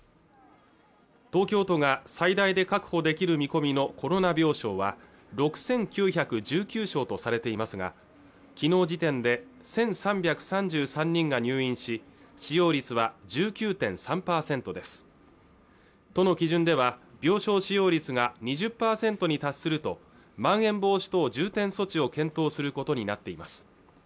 東京都が最大で確保できる見込みのコロナ病床は６９１９床とされていますが昨日時点で１３３３人が入院し使用率は１９．３％です都の基準では病床使用率が２０％に達するとまん延防止等重点措置を検討することになっています